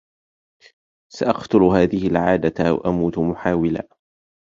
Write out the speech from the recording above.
سأقتل هذه العادة أو أموت محاولا.